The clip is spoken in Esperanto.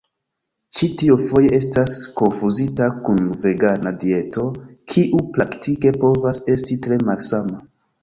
Ĉi tio foje estas konfuzita kun vegana dieto, kiu praktike povas esti tre malsama.